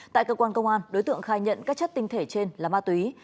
tại cơ quan công an đối tượng khai nhận các chất tinh thể trên là ma túy